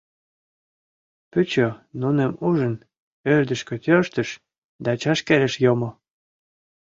Пӱчӧ, нуным ужын, ӧрдыжкӧ тӧрштыш да чашкереш йомо.